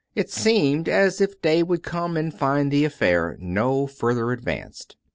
It seemed as if day would come and find the affair no further advanced. .